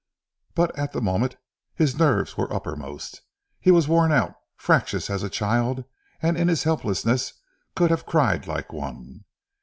But at the moment, his nerves were uppermost. He was worn out, fractious as a child, and in his helplessness could have cried like one.